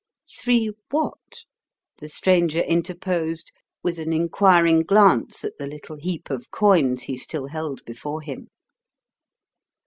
"Three what?" the stranger interposed, with an inquiring glance at the little heap of coins he still held before him.